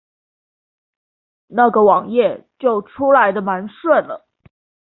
那個網頁就出來的蠻順了